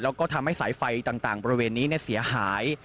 แล้วก็ทำให้สายไฟต่างบริเวณนี้เสียหาย